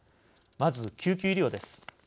まず救急医療です。